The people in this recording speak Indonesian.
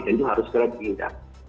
jadi harus kena dihindar